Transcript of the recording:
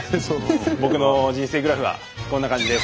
僕の人生グラフはこんな感じです！